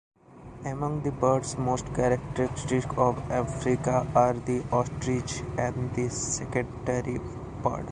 Among the birds most characteristic of Africa are the ostrich and the secretary-bird.